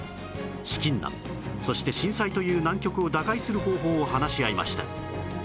資金難そして震災という難局を打開する方法を話し合いました